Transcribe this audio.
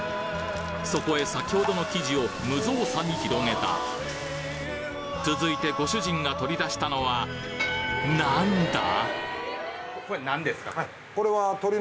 そこへ先ほどの生地を無造作に広げた続いてご主人が取り出したのは何だ！？